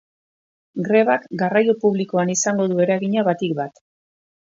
Grebak garraio publikoan izango du eragina batik bat.